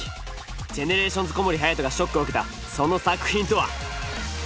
ＧＥＮＥＲＡＴＩＯＮＳ小森隼がショックを受けたその作品とは。